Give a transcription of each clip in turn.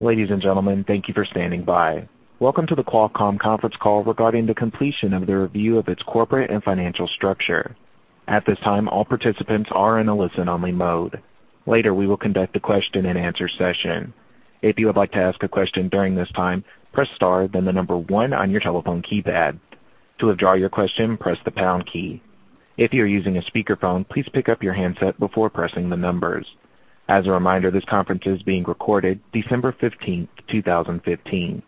Ladies and gentlemen, thank you for standing by. Welcome to the Qualcomm conference call regarding the completion of the review of its corporate and financial structure. At this time, all participants are in a listen-only mode. Later, we will conduct a question-and-answer session. If you would like to ask a question during this time, press star, then the number 1 on your telephone keypad. To withdraw your question, press the pound key. If you are using a speakerphone, please pick up your handset before pressing the numbers. As a reminder, this conference is being recorded December 15, 2015.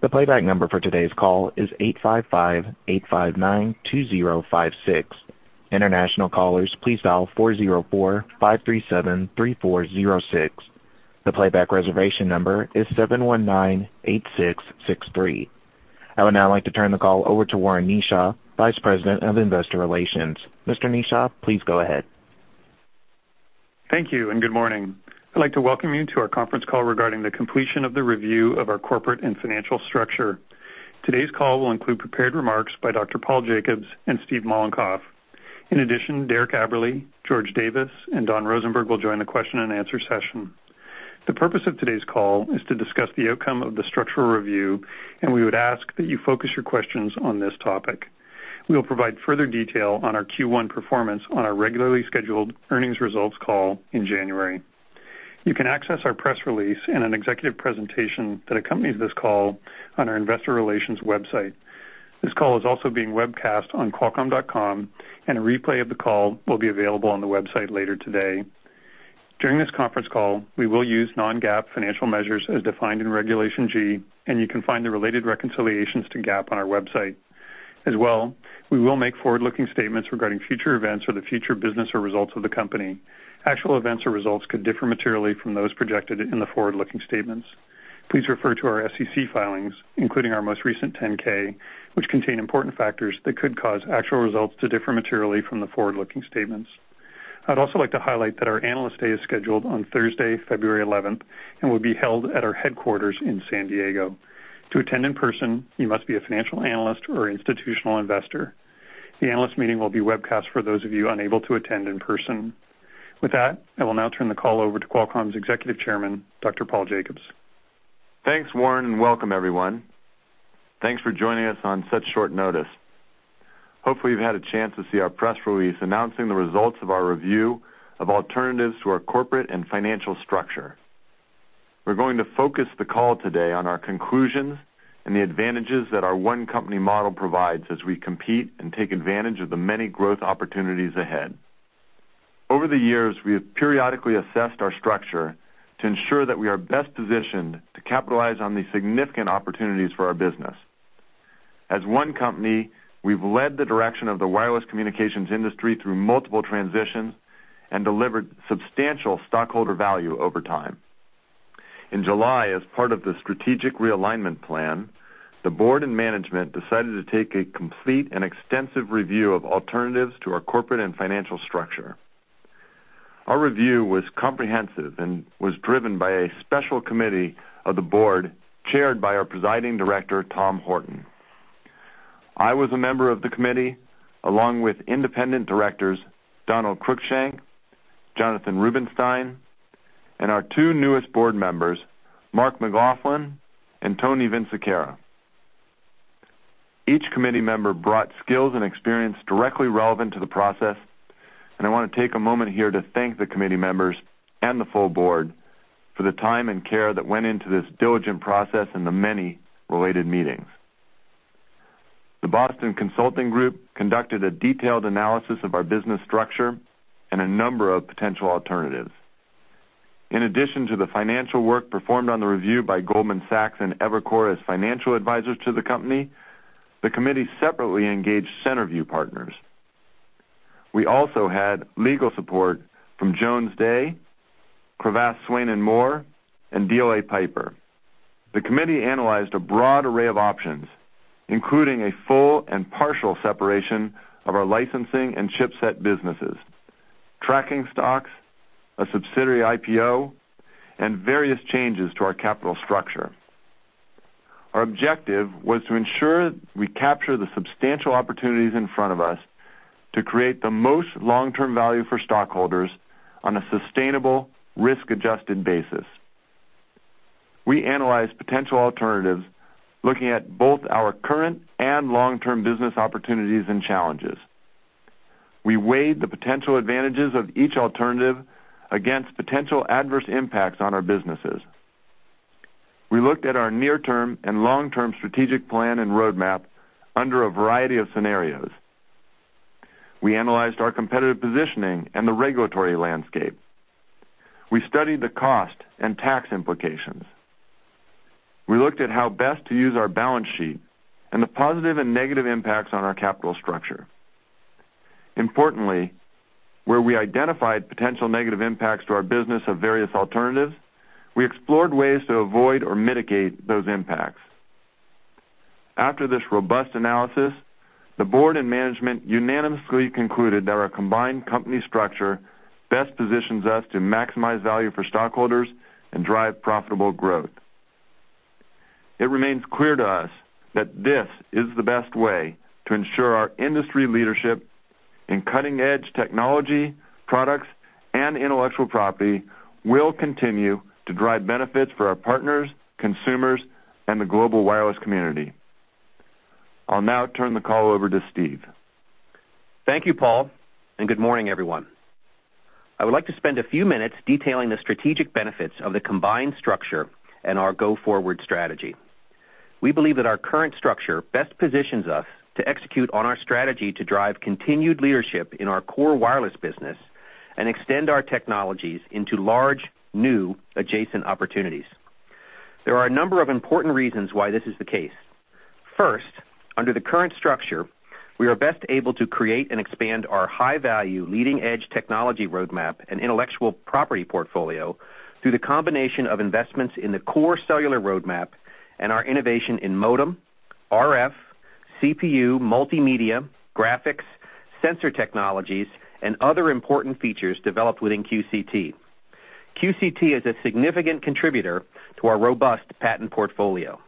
The playback number for today's call is 855-859-2056. International callers, please dial 404-537-3406. The playback reservation number is 719-8663. I would now like to turn the call over to Warren Kneeshaw, Vice President of Investor Relations. Mr. Kneeshaw, please go ahead. Thank you, and good morning. I'd like to welcome you to our conference call regarding the completion of the review of our corporate and financial structure. Today's call will include prepared remarks by Dr. Paul Jacobs and Steve Mollenkopf. In addition, Derek Aberle, George Davis, and Don Rosenberg will join the question-and-answer session. The purpose of today's call is to discuss the outcome of the structural review, and we would ask that you focus your questions on this topic. We will provide further detail on our Q1 performance on our regularly scheduled earnings results call in January. You can access our press release and an executive presentation that accompanies this call on our investor relations website. This call is also being webcast on qualcomm.com, and a replay of the call will be available on the website later today. During this conference call, we will use non-GAAP financial measures as defined in Regulation G, and you can find the related reconciliations to GAAP on our website. We will make forward-looking statements regarding future events or the future business or results of the company. Actual events or results could differ materially from those projected in the forward-looking statements. Please refer to our SEC filings, including our most recent 10-K, which contain important factors that could cause actual results to differ materially from the forward-looking statements. I'd also like to highlight that our Analyst Day is scheduled on Thursday, February 11th and will be held at our headquarters in San Diego. To attend in person, you must be a financial analyst or institutional investor. The analyst meeting will be webcast for those of you unable to attend in person. With that, I will now turn the call over to Qualcomm's Executive Chairman, Dr. Paul Jacobs. Thanks, Warren, and welcome everyone. Thanks for joining us on such short notice. Hopefully, you've had a chance to see our press release announcing the results of our review of alternatives to our corporate and financial structure. We're going to focus the call today on our conclusions and the advantages that our One Company model provides as we compete and take advantage of the many growth opportunities ahead. Over the years, we have periodically assessed our structure to ensure that we are best positioned to capitalize on the significant opportunities for our business. As one company, we've led the direction of the wireless communications industry through multiple transitions and delivered substantial stockholder value over time. In July, as part of the strategic realignment plan, the board and management decided to take a complete and extensive review of alternatives to our corporate and financial structure. Our review was comprehensive and was driven by a special committee of the board, chaired by our presiding director, Tom Horton. I was a member of the committee, along with independent directors Donald Cruickshank, Jonathan Rubinstein, and our two newest board members, Mark McLaughlin and Tony Vinciquerra. Each committee member brought skills and experience directly relevant to the process, and I want to take a moment here to thank the committee members and the full board for the time and care that went into this diligent process and the many related meetings. The Boston Consulting Group conducted a detailed analysis of our business structure and a number of potential alternatives. In addition to the financial work performed on the review by Goldman Sachs and Evercore as financial advisors to the company, the committee separately engaged Centerview Partners. We also had legal support from Jones Day, Cravath, Swaine & Moore, and DLA Piper. The committee analyzed a broad array of options, including a full and partial separation of our licensing and chipset businesses, tracking stocks, a subsidiary IPO, and various changes to our capital structure. Our objective was to ensure we capture the substantial opportunities in front of us to create the most long-term value for stockholders on a sustainable, risk-adjusted basis. We analyzed potential alternatives, looking at both our current and long-term business opportunities and challenges. We weighed the potential advantages of each alternative against potential adverse impacts on our businesses. We looked at our near-term and long-term strategic plan and roadmap under a variety of scenarios. We analyzed our competitive positioning and the regulatory landscape. We studied the cost and tax implications. We looked at how best to use our balance sheet and the positive and negative impacts on our capital structure. Importantly, where we identified potential negative impacts to our business of various alternatives, we explored ways to avoid or mitigate those impacts. After this robust analysis, the board and management unanimously concluded that our combined company structure best positions us to maximize value for stockholders and drive profitable growth. It remains clear to us that this is the best way to ensure our industry leadership in cutting-edge technology, products, and intellectual property will continue to drive benefits for our partners, consumers, and the global wireless community. I'll now turn the call over to Steve. Thank you, Paul, and good morning, everyone. I would like to spend a few minutes detailing the strategic benefits of the combined structure and our go-forward strategy. We believe that our current structure best positions us to execute on our strategy to drive continued leadership in our core wireless business and extend our technologies into large, new adjacent opportunities. There are a number of important reasons why this is the case. First, under the current structure, we are best able to create and expand our high-value, leading-edge technology roadmap and intellectual property portfolio through the combination of investments in the core cellular roadmap and our innovation in modem, RF, CPU, multimedia, graphics, sensor technologies, and other important features developed within QCT. QCT is a significant contributor to our robust patent portfolio.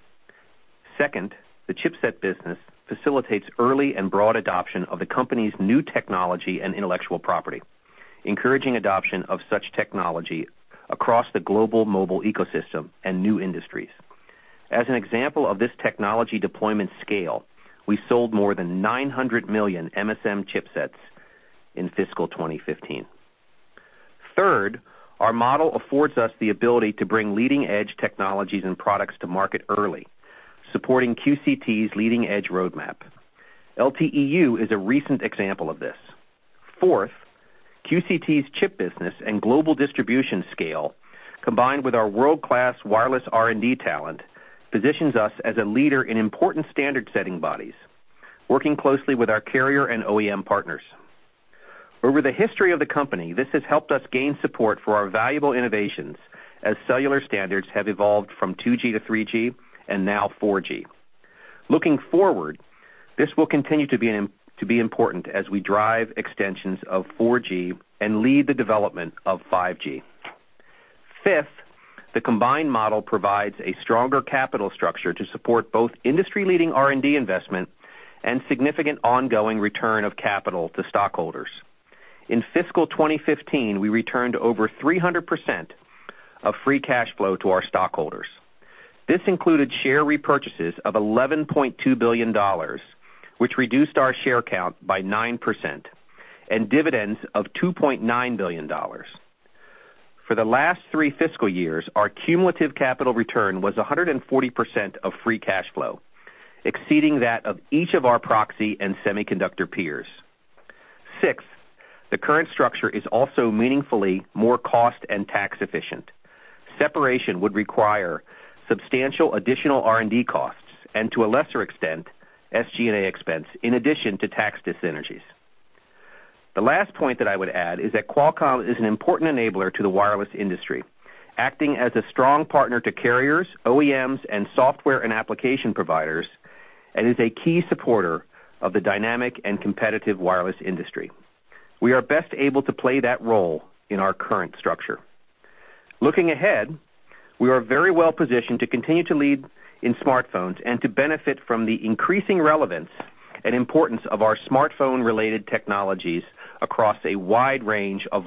Second, the chipset business facilitates early and broad adoption of the company's new technology and intellectual property, encouraging adoption of such technology across the global mobile ecosystem and new industries. As an example of this technology deployment scale, we sold more than 900 million MSM chipsets in fiscal 2015. Third, our model affords us the ability to bring leading-edge technologies and products to market early, supporting QCT's leading-edge roadmap. LTE-U is a recent example of this. Fourth, QCT's chip business and global distribution scale, combined with our world-class wireless R&D talent, positions us as a leader in important standard-setting bodies, working closely with our carrier and OEM partners. Over the history of the company, this has helped us gain support for our valuable innovations as cellular standards have evolved from 2G to 3G and now 4G. Looking forward, this will continue to be important as we drive extensions of 4G and lead the development of 5G. Fifth, the combined model provides a stronger capital structure to support both industry-leading R&D investment and significant ongoing return of capital to stockholders. In fiscal 2015, we returned over 300% of free cash flow to our stockholders. This included share repurchases of $11.2 billion, which reduced our share count by 9%, and dividends of $2.9 billion. For the last three fiscal years, our cumulative capital return was 140% of free cash flow, exceeding that of each of our proxy and semiconductor peers. Sixth, the current structure is also meaningfully more cost and tax efficient. Separation would require substantial additional R&D costs and, to a lesser extent, SG&A expense, in addition to tax dis-synergies. The last point that I would add is that Qualcomm is an important enabler to the wireless industry, acting as a strong partner to carriers, OEMs, and software and application providers, and is a key supporter of the dynamic and competitive wireless industry. We are best able to play that role in our current structure. Looking ahead, we are very well positioned to continue to lead in smartphones and to benefit from the increasing relevance and importance of our smartphone-related technologies across a wide range of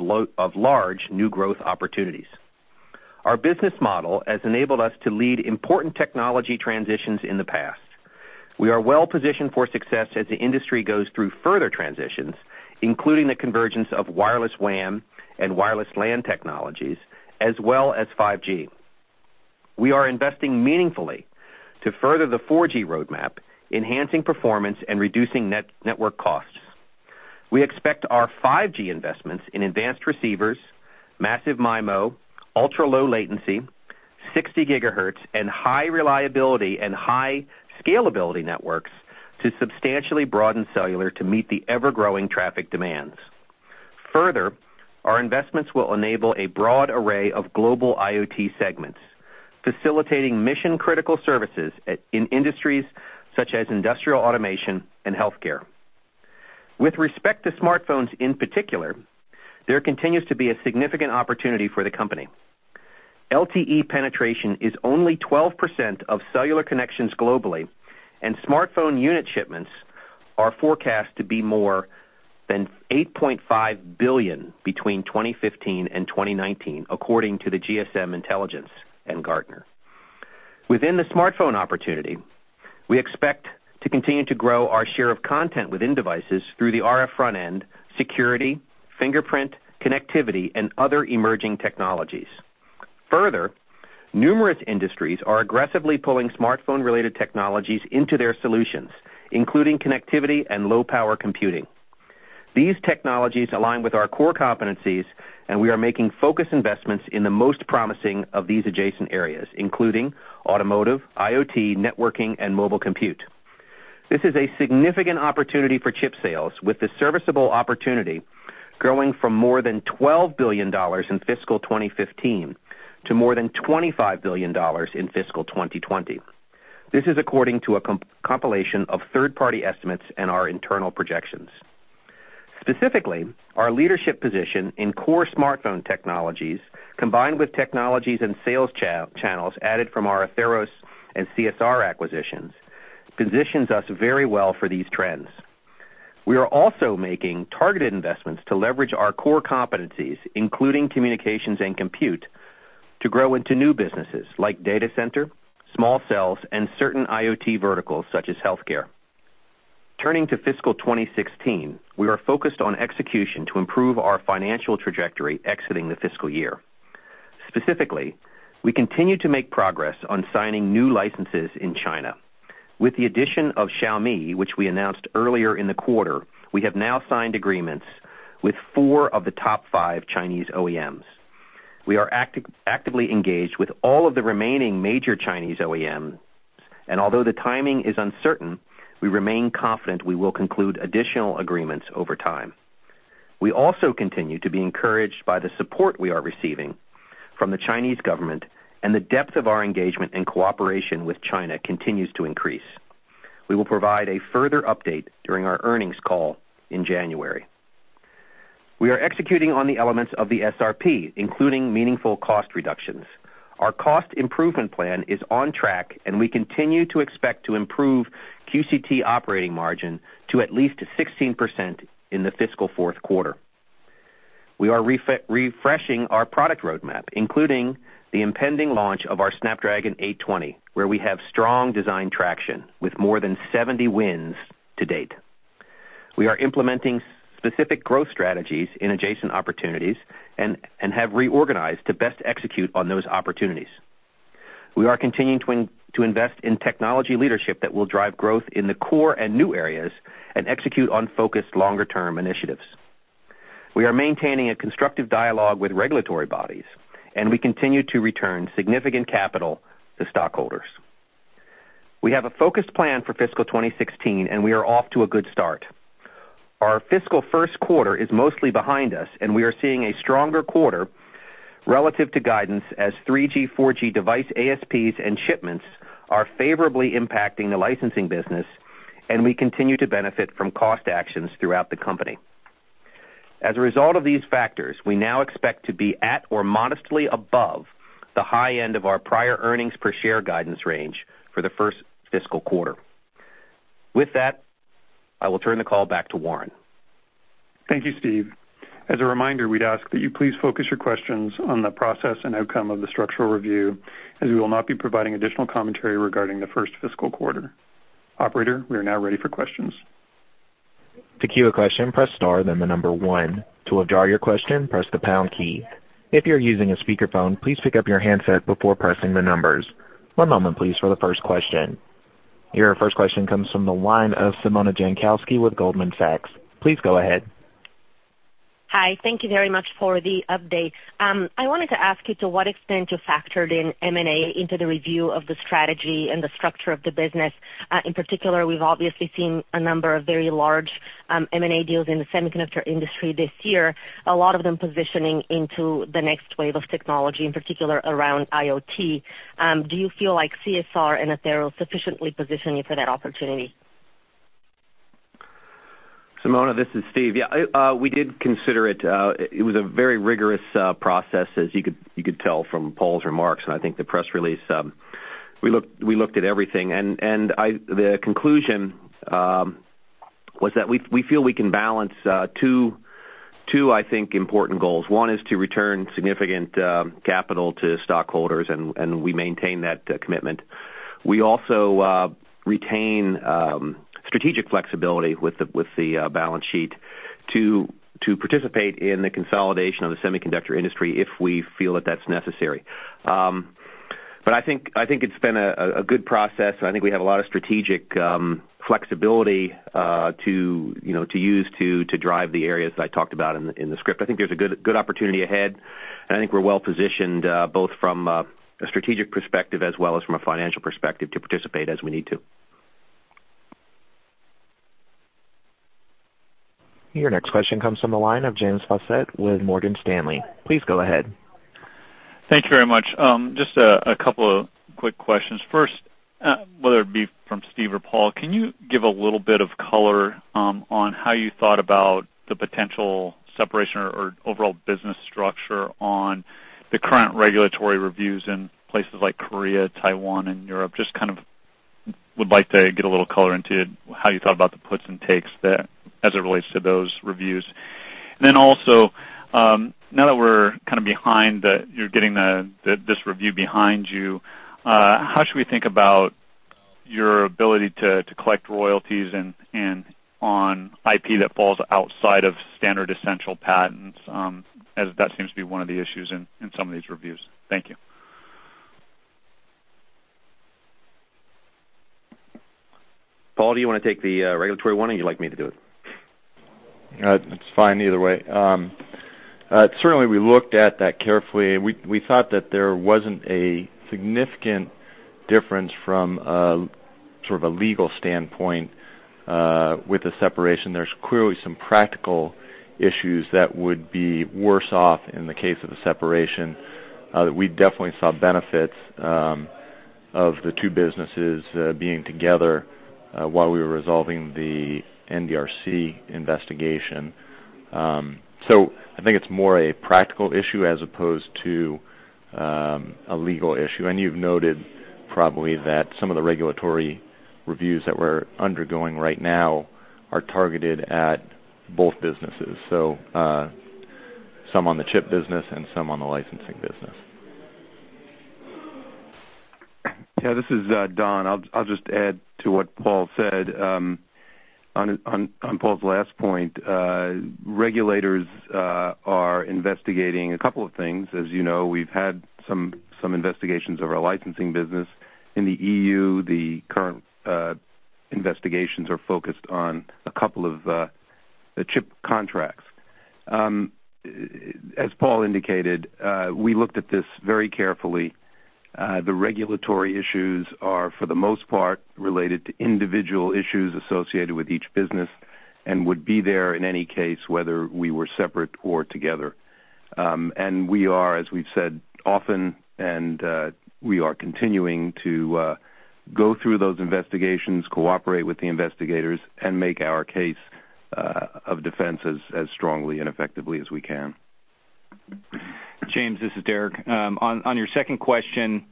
large new growth opportunities. Our business model has enabled us to lead important technology transitions in the past. We are well positioned for success as the industry goes through further transitions, including the convergence of wireless WAN and wireless LAN technologies, as well as 5G. We are investing meaningfully to further the 4G roadmap, enhancing performance and reducing network costs. We expect our 5G investments in advanced receivers, massive MIMO, ultra-low latency, 60 gigahertz, and high reliability and high scalability networks to substantially broaden cellular to meet the ever-growing traffic demands. Further, our investments will enable a broad array of global IoT segments, facilitating mission-critical services in industries such as industrial automation and healthcare. With respect to smartphones in particular, there continues to be a significant opportunity for the company. LTE penetration is only 12% of cellular connections globally, and smartphone unit shipments are forecast to be more than 8.5 billion between 2015 and 2019, according to the GSMA Intelligence and Gartner. Within the smartphone opportunity, we expect to continue to grow our share of content within devices through the RF front end, security, fingerprint, connectivity, and other emerging technologies. Further, numerous industries are aggressively pulling smartphone-related technologies into their solutions, including connectivity and low-power computing. These technologies align with our core competencies, and we are making focus investments in the most promising of these adjacent areas, including automotive, IoT, networking, and mobile compute. This is a significant opportunity for chip sales, with the serviceable opportunity growing from more than $12 billion in fiscal 2015 to more than $25 billion in fiscal 2020. This is according to a compilation of third-party estimates and our internal projections. Specifically, our leadership position in core smartphone technologies, combined with technologies and sales channels added from our Atheros and CSR acquisitions, positions us very well for these trends. We are also making targeted investments to leverage our core competencies, including communications and compute, to grow into new businesses like data center, small cells, and certain IoT verticals, such as healthcare. Turning to fiscal 2016, we are focused on execution to improve our financial trajectory exiting the fiscal year. Specifically, we continue to make progress on signing new licenses in China. With the addition of Xiaomi, which we announced earlier in the quarter, we have now signed agreements with four of the top five Chinese OEMs. We are actively engaged with all of the remaining major Chinese OEMs, and although the timing is uncertain, we remain confident we will conclude additional agreements over time. We also continue to be encouraged by the support we are receiving from the Chinese government, and the depth of our engagement and cooperation with China continues to increase. We will provide a further update during our earnings call in January. We are executing on the elements of the SRP, including meaningful cost reductions. Our cost improvement plan is on track, and we continue to expect to improve QCT operating margin to at least 16% in the fiscal fourth quarter. We are refreshing our product roadmap, including the impending launch of our Snapdragon 820, where we have strong design traction with more than 70 wins to date. We are implementing specific growth strategies in adjacent opportunities and have reorganized to best execute on those opportunities. We are continuing to invest in technology leadership that will drive growth in the core and new areas and execute on focused longer-term initiatives. We are maintaining a constructive dialogue with regulatory bodies, and we continue to return significant capital to stockholders. We have a focused plan for fiscal 2016, and we are off to a good start. Our fiscal first quarter is mostly behind us, and we are seeing a stronger quarter relative to guidance as 3G/4G device ASPs and shipments are favorably impacting the licensing business, and we continue to benefit from cost actions throughout the company. As a result of these factors, we now expect to be at or modestly above the high end of our prior earnings per share guidance range for the first fiscal quarter. With that, I will turn the call back to Warren. Thank you, Steve. As a reminder, we'd ask that you please focus your questions on the process and outcome of the structural review, as we will not be providing additional commentary regarding the first fiscal quarter. Operator, we are now ready for questions. To queue a question, press star, then the number 1. To withdraw your question, press the pound key. If you're using a speakerphone, please pick up your handset before pressing the numbers. One moment, please, for the first question. Your first question comes from the line of Simona Jankowski with Goldman Sachs. Please go ahead. Hi. Thank you very much for the update. I wanted to ask you to what extent you factored in M&A into the review of the strategy and the structure of the business. In particular, we've obviously seen a number of very large M&A deals in the semiconductor industry this year, a lot of them positioning into the next wave of technology, in particular around IoT. Do you feel like CSR and Atheros sufficiently position you for that opportunity? Simona, this is Steve. Yeah, we did consider it. It was a very rigorous process, as you could tell from Paul's remarks and I think the press release. The conclusion was that we feel we can balance two important goals. One is to return significant capital to stockholders, and we maintain that commitment. We also retain strategic flexibility with the balance sheet to participate in the consolidation of the semiconductor industry if we feel that that's necessary. I think it's been a good process, and I think we have a lot of strategic flexibility to use to drive the areas that I talked about in the script. I think there's a good opportunity ahead, and I think we're well-positioned, both from a strategic perspective as well as from a financial perspective, to participate as we need to. Your next question comes from the line of James Faucette with Morgan Stanley. Please go ahead. Thank you very much. Just a couple of quick questions. First, whether it be from Steve or Paul, can you give a little bit of color on how you thought about the potential separation or overall business structure on the current regulatory reviews in places like Korea, Taiwan, and Europe? Just would like to get a little color into how you thought about the puts and takes there as it relates to those reviews. Then also, now that you're getting this review behind you, how should we think about your ability to collect royalties on IP that falls outside of standard essential patents, as that seems to be one of the issues in some of these reviews. Thank you. Paul, do you want to take the regulatory one, or you like me to do it? It's fine either way. Certainly, we looked at that carefully. We thought that there wasn't a significant difference from a legal standpoint with the separation. There's clearly some practical issues that would be worse off in the case of a separation, that we definitely saw benefits of the two businesses being together while we were resolving the NDRC investigation. I think it's more a practical issue as opposed to a legal issue. You've noted probably that some of the regulatory reviews that we're undergoing right now are targeted at both businesses, some on the chip business and some on the licensing business. Yeah, this is Don. I'll just add to what Paul said. On Paul's last point, regulators are investigating a couple of things. As you know, we've had some investigations of our licensing business in the EU. The current investigations are focused on a couple of the chip contracts. As Paul indicated, we looked at this very carefully. The regulatory issues are, for the most part, related to individual issues associated with each business and would be there in any case, whether we were separate or together. We are, as we've said often, continuing to go through those investigations, cooperate with the investigators, and make our case of defense as strongly and effectively as we can. James, this is Derek. On your second question,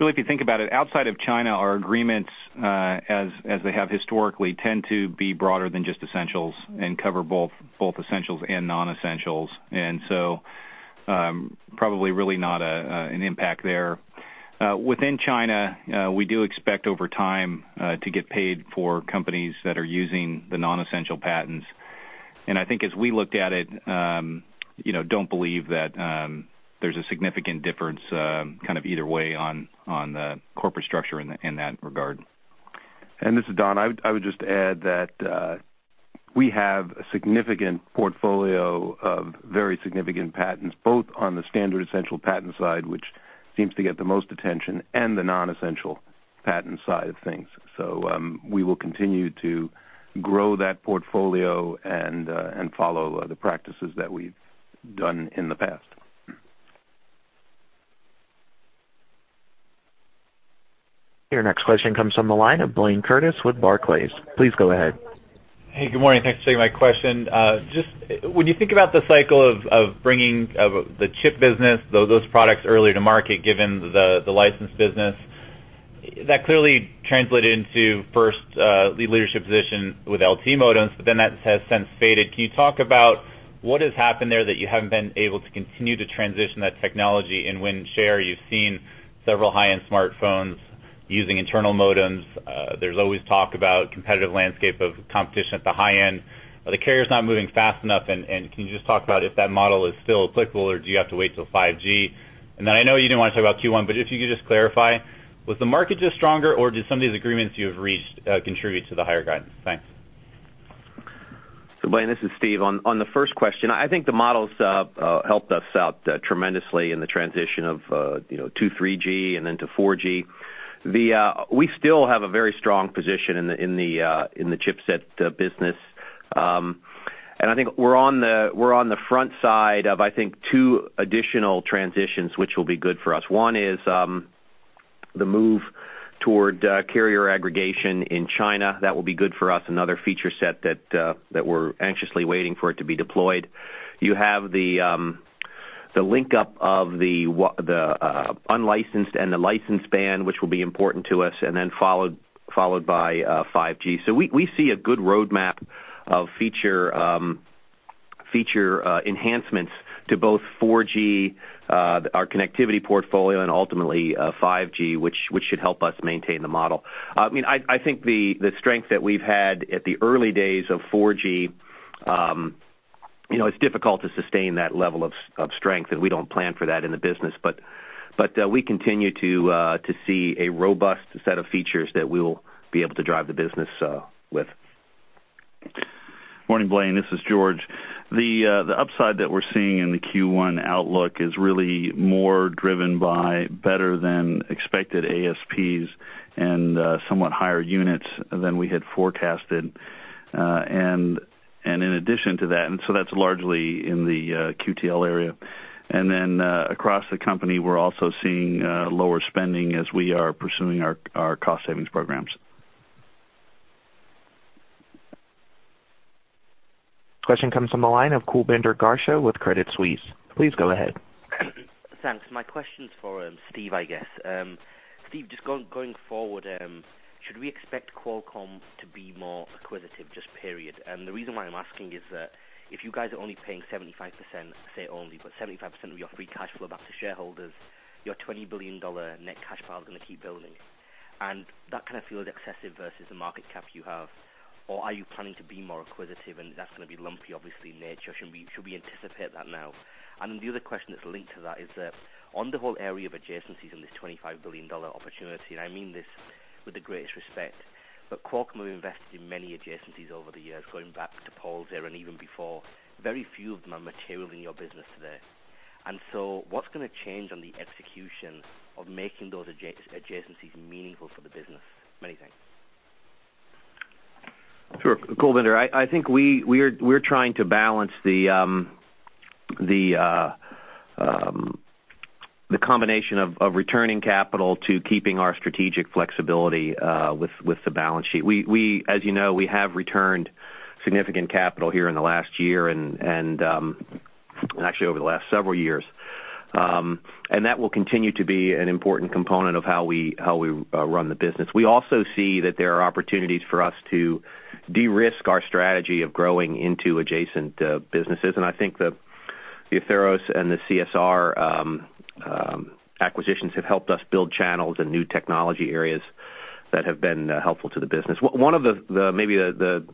really, if you think about it, outside of China, our agreements, as they have historically, tend to be broader than just essentials and cover both essentials and non-essentials, probably really not an impact there. Within China, we do expect over time to get paid for companies that are using the non-essential patents. I think as we looked at it, don't believe that there's a significant difference either way on the corporate structure in that regard. This is Don. I would just add that we have a significant portfolio of very significant patents, both on the standard essential patent side, which seems to get the most attention, and the non-essential patent side of things. We will continue to grow that portfolio and follow the practices that we've done in the past. Your next question comes from the line of Blayne Curtis with Barclays. Please go ahead. Hey, good morning. Thanks for taking my question. Just when you think about the cycle of bringing the chip business, those products earlier to market, given the license business, that clearly translated into first the leadership position with LTE modems, but then that has since faded. Can you talk about what has happened there that you haven't been able to continue to transition that technology? In win share, you've seen several high-end smartphones using internal modems. There's always talk about competitive landscape of competition at the high end. Are the carriers not moving fast enough? Can you just talk about if that model is still applicable or do you have to wait till 5G? I know you didn't want to talk about Q1, but if you could just clarify, was the market just stronger or did some of these agreements you have reached contribute to the higher guidance? Thanks. Blayne, this is Steve. On the first question, I think the models helped us out tremendously in the transition of 2G, 3G and then to 4G. We still have a very strong position in the chipset business. I think we're on the front side of, I think, two additional transitions, which will be good for us. One is the move toward carrier aggregation in China. That will be good for us. Another feature set that we're anxiously waiting for it to be deployed. You have the link up of the unlicensed and the licensed band, which will be important to us, and then followed by 5G. We see a good roadmap of feature enhancements to both 4G, our connectivity portfolio, and ultimately 5G, which should help us maintain the model. I think the strength that we've had at the early days of 4G, it's difficult to sustain that level of strength, and we don't plan for that in the business. We continue to see a robust set of features that we will be able to drive the business with. Morning, Blayne, this is George. The upside that we're seeing in the Q1 outlook is really more driven by better than expected ASPs and somewhat higher units than we had forecasted. In addition to that's largely in the QTL area. Across the company, we're also seeing lower spending as we are pursuing our cost savings programs. Question comes from the line of Kulbinder Garcha with Credit Suisse. Please go ahead. Thanks. My question's for Steve, I guess. Steve, just going forward, should we expect Qualcomm to be more acquisitive, just period? The reason why I'm asking is that if you guys are only paying 75%, I say only, but 75% of your free cash flow back to shareholders, your $20 billion net cash pile is going to keep building. That kind of feels excessive versus the market cap you have. Are you planning to be more acquisitive and that's going to be lumpy, obviously, in nature? Should we anticipate that now? The other question that's linked to that is that on the whole area of adjacencies in this $25 billion opportunity, I mean this with the greatest respect, Qualcomm have invested in many adjacencies over the years, going back to Paul's era and even before. Very few of them are material in your business today. What is going to change on the execution of making those adjacencies meaningful for the business? Many thanks. Sure. Kulbinder, I think we are trying to balance the combination of returning capital to keeping our strategic flexibility with the balance sheet. As you know, we have returned significant capital here in the last year and actually over the last several years. That will continue to be an important component of how we run the business. We also see that there are opportunities for us to de-risk our strategy of growing into adjacent businesses, and I think the Atheros and the CSR acquisitions have helped us build channels and new technology areas that have been helpful to the business. One of maybe the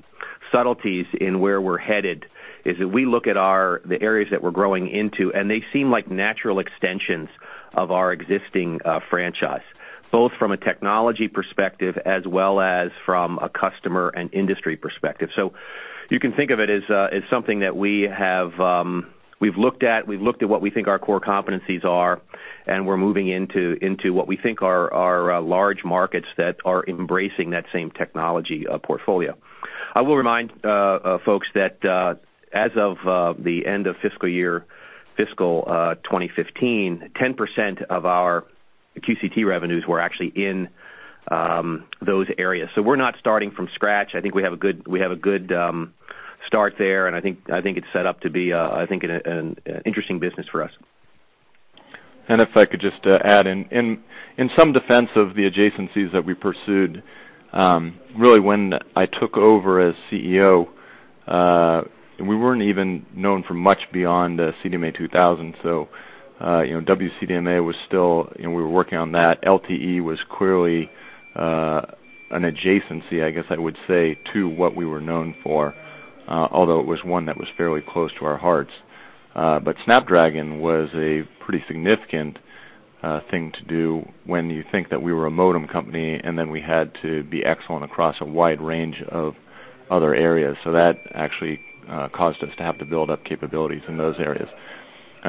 subtleties in where we are headed is that we look at the areas that we are growing into, and they seem like natural extensions of our existing franchise, both from a technology perspective as well as from a customer and industry perspective. You can think of it as something that we have looked at, we have looked at what we think our core competencies are, and we are moving into what we think are large markets that are embracing that same technology portfolio. I will remind folks that as of the end of fiscal year, fiscal 2015, 10% of our QCT revenues were actually in those areas. We are not starting from scratch. I think we have a good start there, and I think it is set up to be an interesting business for us. If I could just add in some defense of the adjacencies that we pursued, really when I took over as CEO, we were not even known for much beyond CDMA2000. WCDMA, we were working on that. LTE was clearly an adjacency, I guess I would say, to what we were known for, although it was one that was fairly close to our hearts. Snapdragon was a pretty significant thing to do when you think that we were a modem company, and then we had to be excellent across a wide range of other areas. That actually caused us to have to build up capabilities in those areas.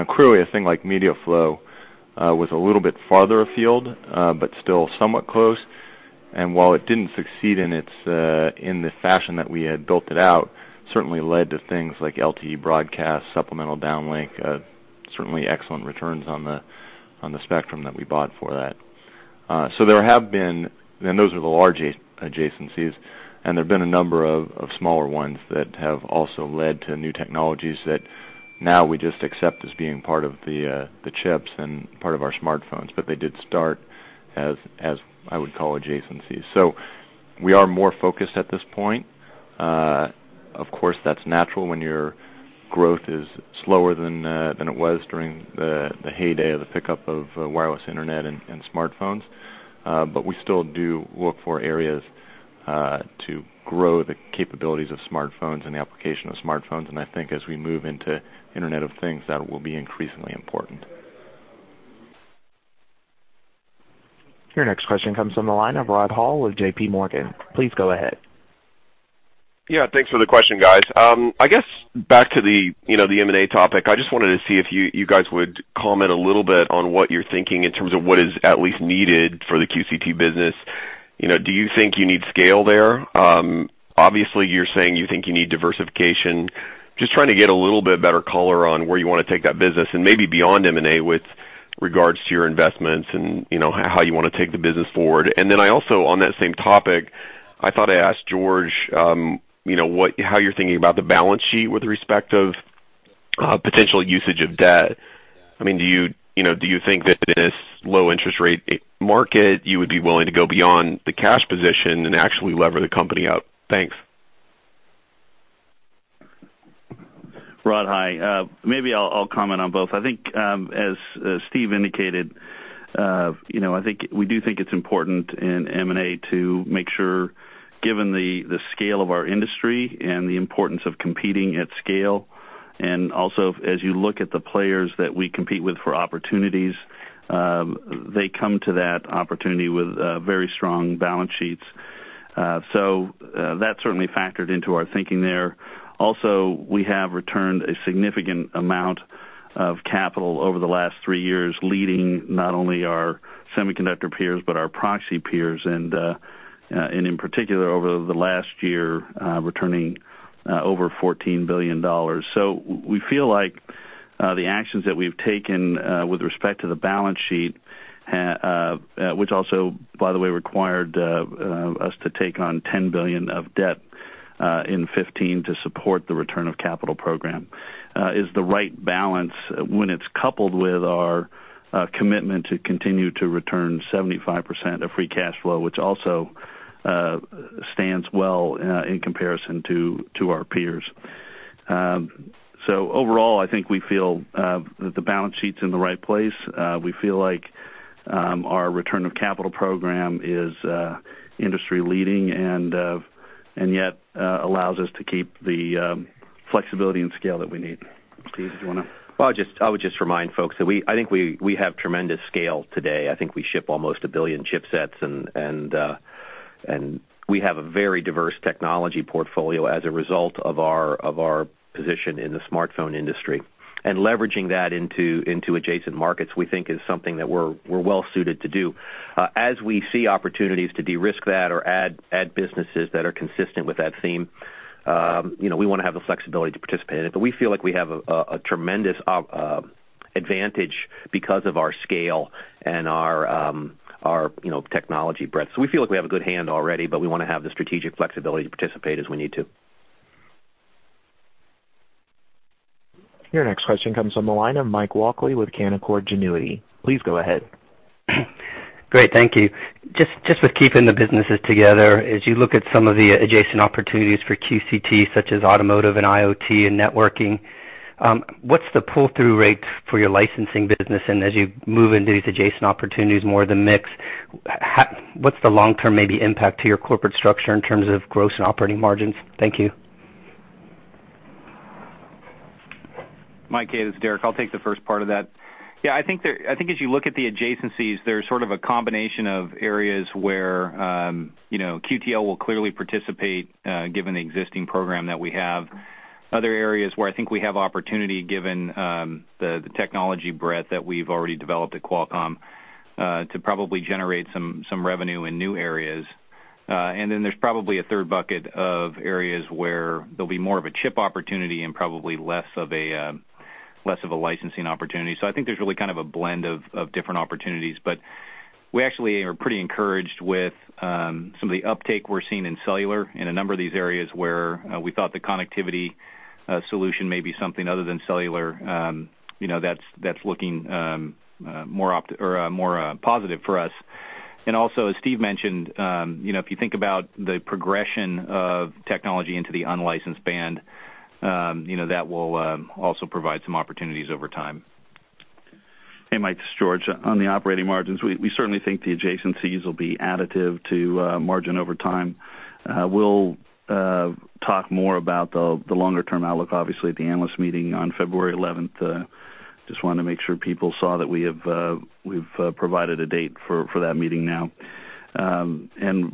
Clearly, a thing like MediaFLO was a little bit farther afield, but still somewhat close. While it didn't succeed in the fashion that we had built it out, certainly led to things like LTE Broadcast, supplemental downlink, certainly excellent returns on the spectrum that we bought for that. Those are the large adjacencies, and there've been a number of smaller ones that have also led to new technologies that now we just accept as being part of the chips and part of our smartphones, but they did start as I would call adjacencies. We are more focused at this point. Of course, that's natural when your growth is slower than it was during the heyday of the pickup of wireless internet and smartphones. We still do look for areas to grow the capabilities of smartphones and the application of smartphones, and I think as we move into Internet of Things, that will be increasingly important. Your next question comes from the line of Rod Hall with J.P. Morgan. Please go ahead. Thanks for the question, guys. I guess back to the M&A topic, I just wanted to see if you guys would comment a little bit on what you're thinking in terms of what is at least needed for the QCT business. Do you think you need scale there? Obviously, you're saying you think you need diversification. Just trying to get a little bit better color on where you want to take that business and maybe beyond M&A with regards to your investments and how you want to take the business forward. Then I also, on that same topic, I thought I'd ask George how you're thinking about the balance sheet with respect of potential usage of debt. Do you think that in this low interest rate market, you would be willing to go beyond the cash position and actually lever the company up? Thanks. Rod, hi. Maybe I'll comment on both. I think, as Steve indicated, we do think it's important in M&A to make sure, given the scale of our industry and the importance of competing at scale, and also as you look at the players that we compete with for opportunities, they come to that opportunity with very strong balance sheets. That certainly factored into our thinking there. Also, we have returned a significant amount of capital over the last three years, leading not only our semiconductor peers but our proxy peers and, in particular, over the last year, returning over $14 billion. We feel like the actions that we've taken with respect to the balance sheet, which also, by the way, required us to take on $10 billion of debt in 2015 to support the return of capital program, is the right balance when it's coupled with our commitment to continue to return 75% of free cash flow, which also stands well in comparison to our peers. Overall, I think we feel that the balance sheet's in the right place. We feel like our return of capital program is industry leading and yet allows us to keep the flexibility and scale that we need. Steve, did you want to? Well, I would just remind folks that I think we have tremendous scale today. I think we ship almost a billion chipsets, and we have a very diverse technology portfolio as a result of our position in the smartphone industry. Leveraging that into adjacent markets, we think is something that we're well suited to do. As we see opportunities to de-risk that or add businesses that are consistent with that theme We want to have the flexibility to participate in it, we feel like we have a tremendous advantage because of our scale and our technology breadth. We feel like we have a good hand already, but we want to have the strategic flexibility to participate as we need to. Your next question comes from the line of Mike Walkley with Canaccord Genuity. Please go ahead. Great. Thank you. Just with keeping the businesses together, as you look at some of the adjacent opportunities for QCT, such as automotive and IoT and networking, what's the pull-through rate for your licensing business? As you move into these adjacent opportunities more the mix, what's the long-term maybe impact to your corporate structure in terms of gross and operating margins? Thank you. Mike, hey, this is Derek. I'll take the first part of that. Yeah, I think as you look at the adjacencies, there's sort of a combination of areas where QTL will clearly participate, given the existing program that we have. Other areas where I think we have opportunity, given the technology breadth that we've already developed at Qualcomm, to probably generate some revenue in new areas. There's probably a third bucket of areas where there'll be more of a chip opportunity and probably less of a licensing opportunity. I think there's really kind of a blend of different opportunities, but we actually are pretty encouraged with some of the uptake we're seeing in cellular in a number of these areas where we thought the connectivity solution may be something other than cellular. That's looking more positive for us. Also, as Steve mentioned, if you think about the progression of technology into the unlicensed band, that will also provide some opportunities over time. Hey, Mike, this is George. On the operating margins, we certainly think the adjacencies will be additive to margin over time. We'll talk more about the longer-term outlook, obviously, at the analyst meeting on February 11th. Just wanted to make sure people saw that we've provided a date for that meeting now.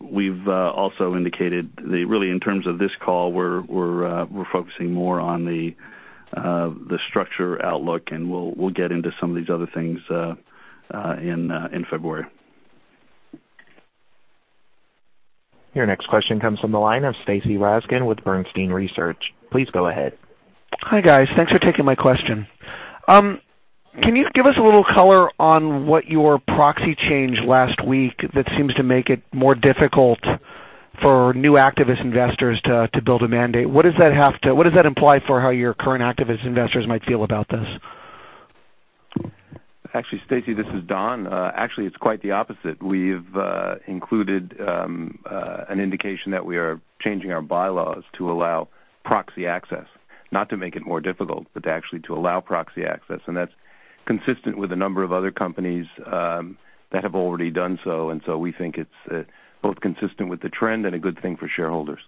We've also indicated that really in terms of this call, we're focusing more on the structure outlook, and we'll get into some of these other things in February. Your next question comes from the line of Stacy Rasgon with Bernstein Research. Please go ahead. Hi, guys. Thanks for taking my question. Can you give us a little color on what your proxy change last week that seems to make it more difficult for new activist investors to build a mandate? What does that imply for how your current activist investors might feel about this? Actually, Stacy, this is Don. Actually, it's quite the opposite. We've included an indication that we are changing our bylaws to allow proxy access, not to make it more difficult, but actually to allow proxy access, and that's consistent with a number of other companies that have already done so. We think it's both consistent with the trend and a good thing for shareholders.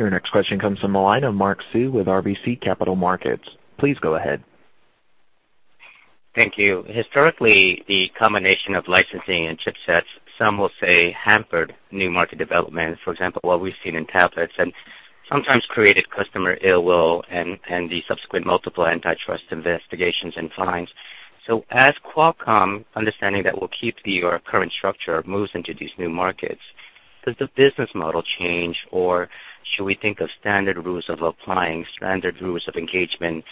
Your next question comes from the line of Mark Sue with RBC Capital Markets. Please go ahead. Thank you. Historically, the combination of licensing and chipsets, some will say, hampered new market development, for example, what we've seen in tablets, and sometimes created customer ill will and the subsequent multiple antitrust investigations and fines. As Qualcomm, understanding that will keep your current structure moves into these new markets, does the business model change, or should we think of standard rules of applying standard rules of engagement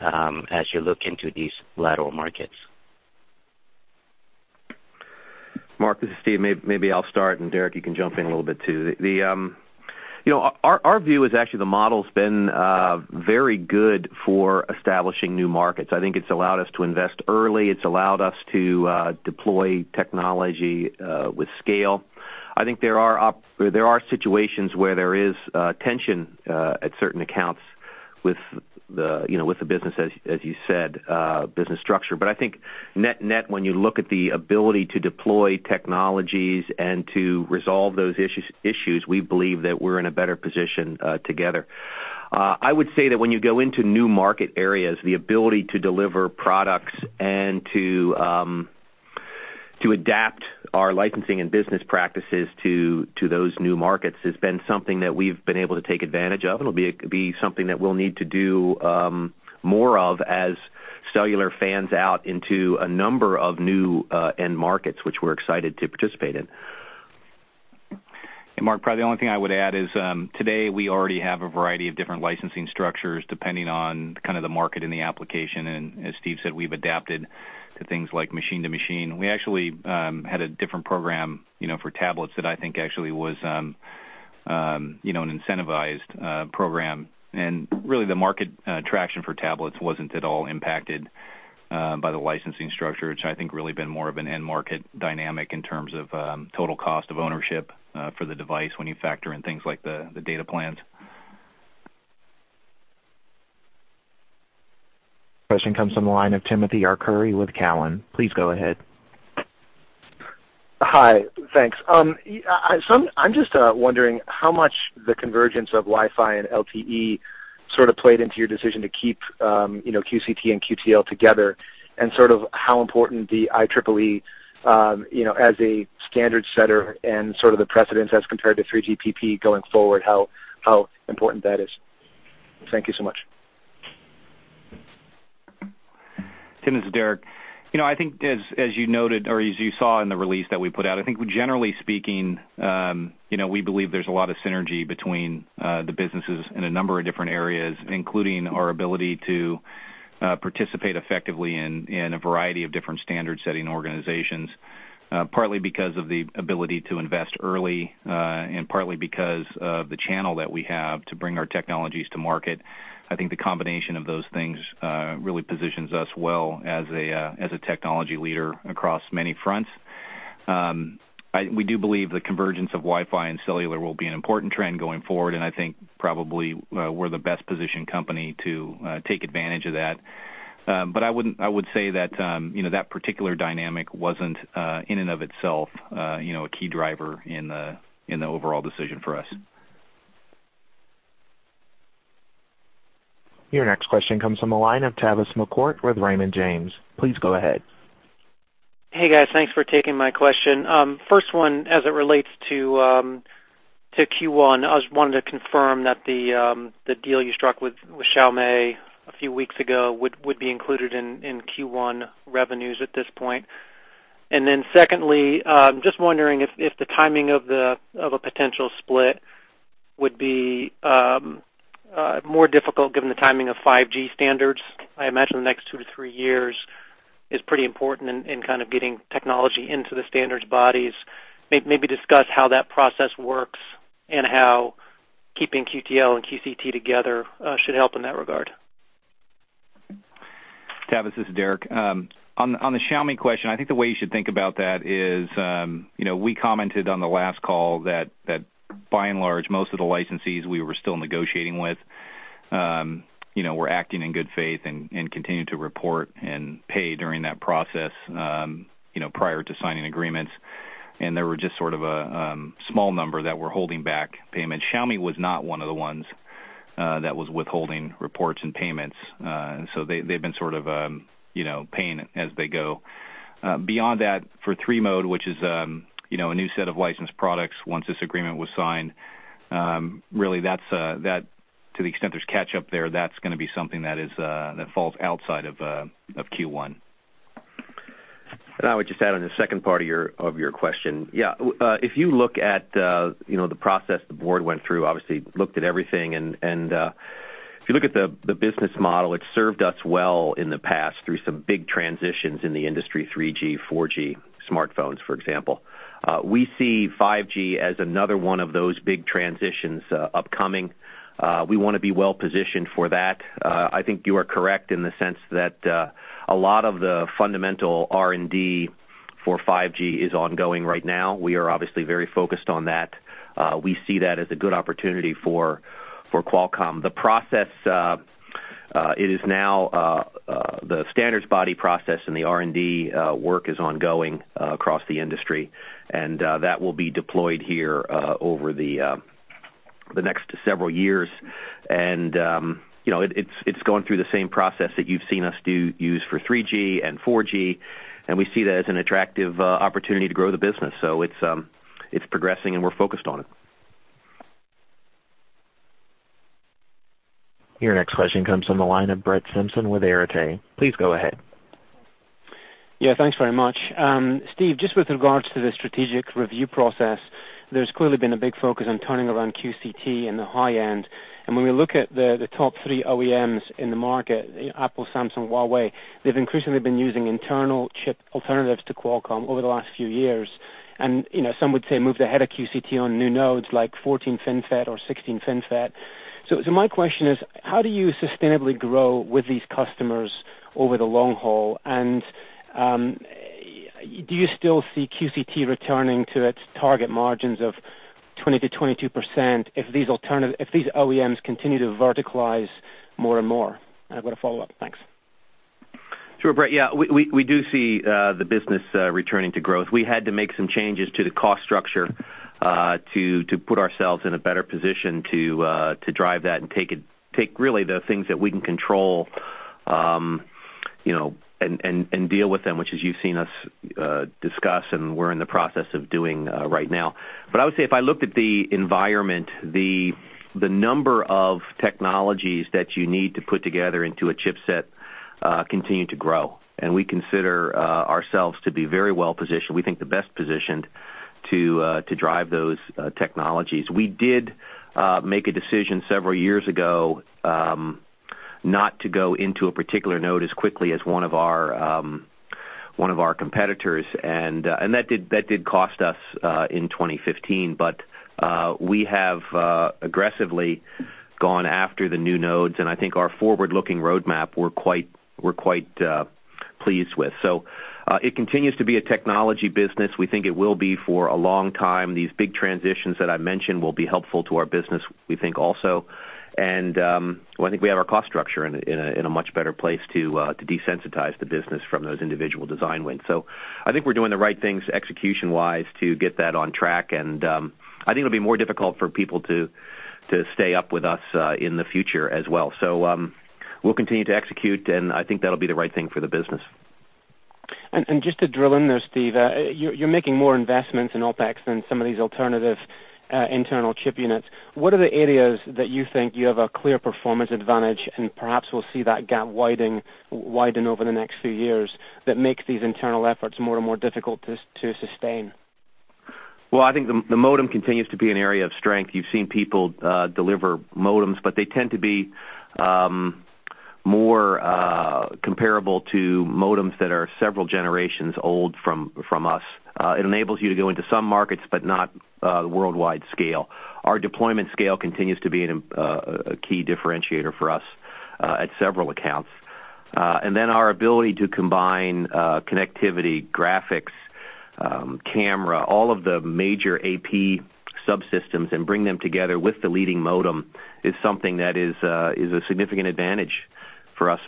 as you look into these lateral markets? Mark, this is Steve. Maybe I'll start. Derek, you can jump in a little bit, too. Our view is actually the model's been very good for establishing new markets. I think it's allowed us to invest early. It's allowed us to deploy technology with scale. I think there are situations where there is tension at certain accounts with the business, as you said, business structure. I think net-net, when you look at the ability to deploy technologies and to resolve those issues, we believe that we're in a better position together. I would say that when you go into new market areas, the ability to deliver products and to adapt our licensing and business practices to those new markets has been something that we've been able to take advantage of. It'll be something that we'll need to do more of as cellular fans out into a number of new end markets, which we're excited to participate in. Mark, probably the only thing I would add is, today, we already have a variety of different licensing structures depending on kind of the market and the application. As Steve said, we've adapted to things like machine-to-machine. We actually had a different program for tablets that I think actually was an incentivized program. Really the market traction for tablets wasn't at all impacted by the licensing structure, which I think really been more of an end market dynamic in terms of total cost of ownership for the device when you factor in things like the data plans. Question comes from the line of Timothy Arcuri with Cowen. Please go ahead. Hi. Thanks. I'm just wondering how much the convergence of Wi-Fi and LTE sort of played into your decision to keep QCT and QTL together and sort of how important the IEEE as a standard setter and sort of the precedence as compared to 3GPP going forward, how important that is? Thank you so much. Tim, this is Derek. I think as you noted, or as you saw in the release that we put out, I think generally speaking we believe there's a lot of synergy between the businesses in a number of different areas, including our ability to participate effectively in a variety of different standard-setting organizations. Partly because of the ability to invest early, and partly because of the channel that we have to bring our technologies to market. I think the combination of those things really positions us well as a technology leader across many fronts. We do believe the convergence of Wi-Fi and cellular will be an important trend going forward, and I think probably, we're the best-positioned company to take advantage of that. I would say that particular dynamic wasn't, in and of itself, a key driver in the overall decision for us. Your next question comes from the line of Tavis McCourt with Raymond James. Please go ahead. Hey, guys. Thanks for taking my question. First one, as it relates to Q1, I just wanted to confirm that the deal you struck with Xiaomi a few weeks ago would be included in Q1 revenues at this point. Secondly, just wondering if the timing of a potential split would be more difficult given the timing of 5G standards. I imagine the next two to three years is pretty important in kind of getting technology into the standards bodies. Maybe discuss how that process works, and how keeping QTL and QCT together should help in that regard. Tavis, this is Derek. On the Xiaomi question, I think the way you should think about that is, we commented on the last call that by and large, most of the licensees we were still negotiating with were acting in good faith and continued to report and pay during that process, prior to signing agreements. There were just sort of a small number that were holding back payments. Xiaomi was not one of the ones that was withholding reports and payments. They've been sort of paying as they go. Beyond that, for three mode, which is a new set of licensed products, once this agreement was signed, to the extent there's catch-up there, that's gonna be something that falls outside of Q1. I would just add on the second part of your question. If you look at the process the board went through, obviously looked at everything, if you look at the business model, it served us well in the past through some big transitions in the industry, 3G, 4G smartphones, for example. We see 5G as another one of those big transitions upcoming. We wanna be well-positioned for that. I think you are correct in the sense that a lot of the fundamental R&D for 5G is ongoing right now. We are obviously very focused on that. We see that as a good opportunity for Qualcomm. The standards body process and the R&D work is ongoing across the industry, and that will be deployed here over the next several years. It's going through the same process that you've seen us use for 3G and 4G, and we see that as an attractive opportunity to grow the business. It's progressing, and we're focused on it. Your next question comes from the line of Brett Simpson with Arete. Please go ahead. Thanks very much. Steve, just with regards to the strategic review process, there's clearly been a big focus on turning around QCT in the high end. When we look at the top three OEMs in the market, Apple, Samsung, Huawei, they've increasingly been using internal chip alternatives to Qualcomm over the last few years. Some would say moved ahead of QCT on new nodes like 14 FinFET or 16 FinFET. My question is, how do you sustainably grow with these customers over the long haul? Do you still see QCT returning to its target margins of 20%-22% if these OEMs continue to verticalize more and more? I've got a follow-up. Thanks. Sure, Brett. We do see the business returning to growth. We had to make some changes to the cost structure to put ourselves in a better position to drive that and take really the things that we can control, and deal with them, which as you've seen us discuss and we're in the process of doing right now. I would say if I looked at the environment, the number of technologies that you need to put together into a chipset continue to grow. We consider ourselves to be very well-positioned, we think the best positioned to drive those technologies. We did make a decision several years ago not to go into a particular node as quickly as one of our competitors. That did cost us in 2015. We have aggressively gone after the new nodes. I think our forward-looking roadmap, we're quite pleased with. It continues to be a technology business. We think it will be for a long time. These big transitions that I mentioned will be helpful to our business, we think also. I think we have our cost structure in a much better place to desensitize the business from those individual design wins. I think we're doing the right things execution-wise to get that on track. I think it'll be more difficult for people to stay up with us in the future as well. We'll continue to execute, and I think that'll be the right thing for the business. Just to drill in there, Steve, you're making more investments in OpEx than some of these alternative internal chip units. What are the areas that you think you have a clear performance advantage, and perhaps we'll see that gap widen over the next few years, that makes these internal efforts more and more difficult to sustain? Well, I think the modem continues to be an area of strength. You've seen people deliver modems, but they tend to be more comparable to modems that are several generations old from us. It enables you to go into some markets, but not worldwide scale. Our deployment scale continues to be a key differentiator for us at several accounts. Our ability to combine connectivity, graphics, camera, all of the major AP subsystems, and bring them together with the leading modem is something that is a significant advantage for us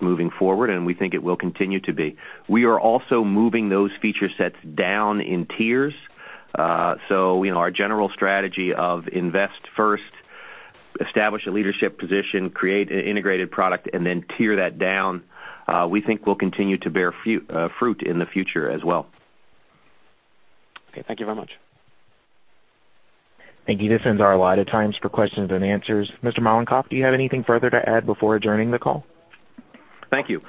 moving forward, and we think it will continue to be. We are also moving those feature sets down in tiers. Our general strategy of invest first, establish a leadership position, create an integrated product, and then tier that down, we think will continue to bear fruit in the future as well. Okay. Thank you very much. Thank you. This ends our allotted times for questions and answers. Mr. Mollenkopf, do you have anything further to add before adjourning the call? Thank you.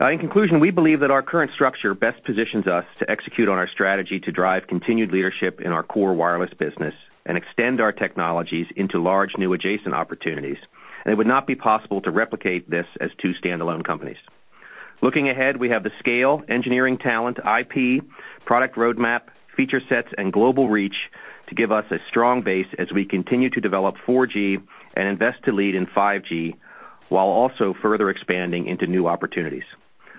In conclusion, we believe that our current structure best positions us to execute on our strategy to drive continued leadership in our core wireless business and extend our technologies into large new adjacent opportunities. It would not be possible to replicate this as two standalone companies. Looking ahead, we have the scale, engineering talent, IP, product roadmap, feature sets, and global reach to give us a strong base as we continue to develop 4G and invest to lead in 5G, while also further expanding into new opportunities.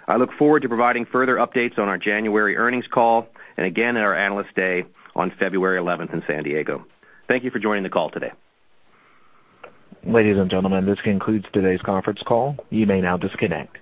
I look forward to providing further updates on our January earnings call and again at our Analyst Day on February 11th in San Diego. Thank you for joining the call today. Ladies and gentlemen, this concludes today's conference call. You may now disconnect.